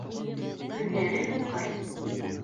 Күҙҙәре һуҡыр.